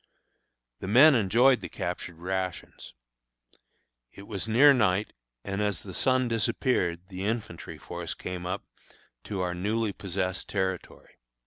The men enjoyed the captured rations. It was near night, and as the sun disappeared the infantry force came up to our newly possessed territory.